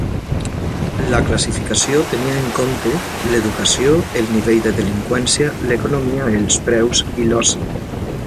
La classificació tenia em compte l'educació, el nivell de delinqüència, l'economia, els preus i l'oci.